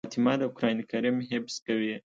فاطمه د قرآن کريم حفظ کوي.